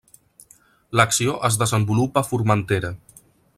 L'acció es desenvolupa a Formentera.